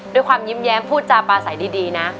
ด้วยความยิ้มแย้มพูดจาปลาใสดีนะ